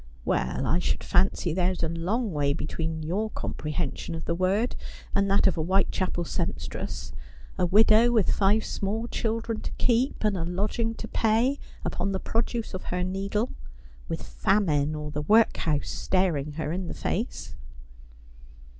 ' Well, I should fancy there is a long way between your com prehension of the word and that of a Whitechapel seamstress : a widow, with five small children to keep, and a lodging to pay, upon the produce of her needle, with famine or the workhouse staring her in the face.'